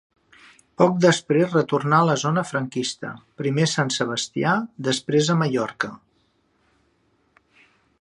Poc després retornà a la zona franquista, primer a Sant Sebastià i després a Mallorca.